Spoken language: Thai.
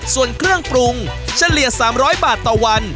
ส่วนเครื่องปรุงเฉลี่ย๓๐๐บาทต่อวัน